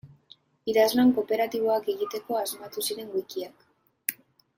Idazlan kooperatiboak egiteko asmatu ziren wikiak.